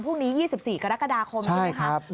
พรุ่งนี้๒๔กรกฎาคม